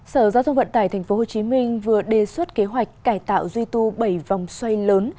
sở giao thông vận tải tp hcm vừa đề xuất kế hoạch cải tạo duy tu bảy vòng xoay lớn